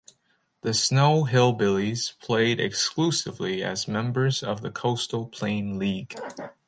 The Snow Hill Billies played exclusively as members of the Coastal Plain League.